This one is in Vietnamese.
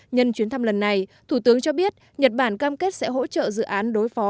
nhân chuyến thăm lần này thủ tướng cho biết nhật bản cam kết sẽ hỗ trợ dự án đối phó